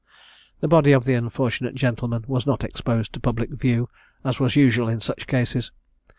The body of the unfortunate gentleman was not exposed to public view, as was usual in such cases.